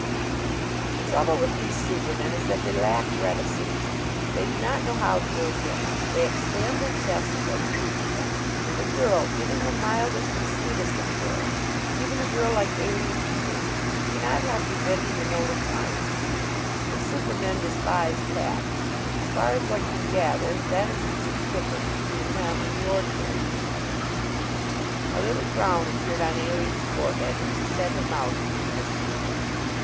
The trouble with these supermen is that they lack reticence. They do not know how to omit. They expand their chests and whoop. And a girl, even the mildest and sweetest of girls even a girl like Aline Peters cannot help resenting the note of triumph. But supermen despise tact. As far as one can gather, that is the chief difference between them and the ordinary man. A little frown appeared on Aline's forehead and she set her mouth mutinously.